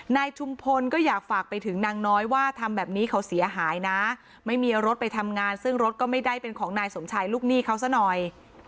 ชุมพลก็อยากฝากไปถึงนางน้อยว่าทำแบบนี้เขาเสียหายนะไม่มีรถไปทำงานซึ่งรถก็ไม่ได้เป็นของนายสมชายลูกหนี้เขาซะหน่อย